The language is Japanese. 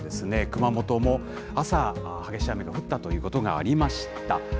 熊本も、朝、激しい雨が降ったということがありました。